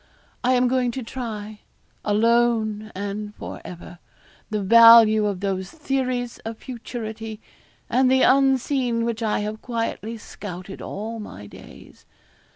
I am going to try, alone and for ever, the value of those theories of futurity and the unseen which I have quietly scouted all my days.